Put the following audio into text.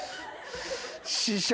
師匠。